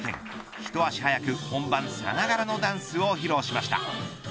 一足早く本番さながらのダンスを披露しました。